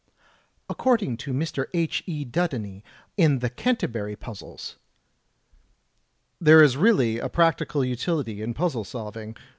According to Mr. H. E. Dudeney, in the " The Canter bury Puzzles": "There is really a practical utility in puzzle solving.